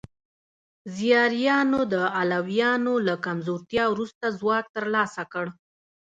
زیاریانو د علویانو له کمزورتیا وروسته ځواک ترلاسه کړ.